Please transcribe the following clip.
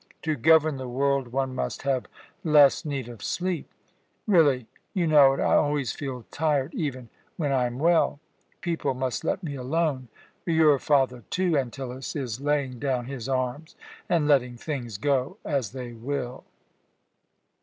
To govern the world one must have less need of sleep. Really you know it I always feel tired, even when I am well. People must let me alone! Your father, too, Antyllus, is laying down his arms and letting things go as they will."